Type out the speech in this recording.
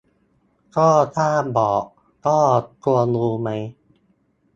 ก็ถ้าบอกก็ควรรู้ไหม